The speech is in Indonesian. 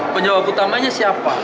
penyebab utamanya siapa